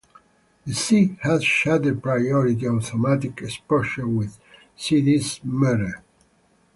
The C had shutter-priority automatic exposure with a CdS meter.